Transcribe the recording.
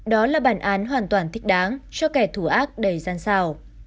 đó là bản án hoàn toàn thích đáng cho kẻ thù ác đầy gian sao